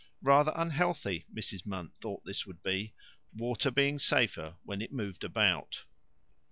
Rather unhealthy Mrs. Munt thought this would be, water being safer when it moved about.